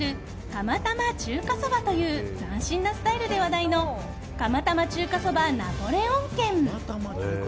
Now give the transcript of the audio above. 釜玉中華そばという斬新なスタイルで話題の釜玉中華そばナポレオン軒。